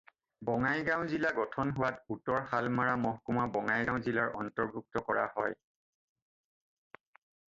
বঙাইগাঁও জিলা গঠন হোৱাত উত্তৰ শালমাৰা মহকুমা বঙাইগাঁও জিলাত অন্তৰ্ভূক্ত কৰা হয়।